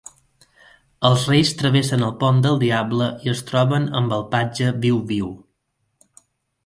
Els reis travessen el pont del diable i es troben amb el patge Viu-Viu.